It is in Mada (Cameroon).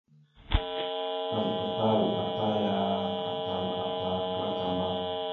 Azləɓatal ata aya atal ata klakamba.